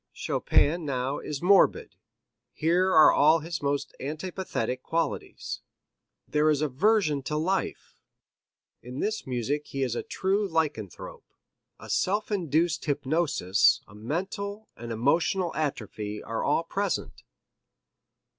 Chopin now is morbid, here are all his most antipathetic qualities. There is aversion to life in this music he is a true lycanthrope. A self induced hypnosis, a mental, an emotional atrophy are all present.